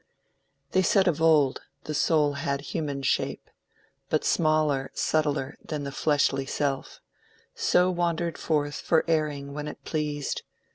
"They said of old the Soul had human shape, But smaller, subtler than the fleshly self, So wandered forth for airing when it pleased.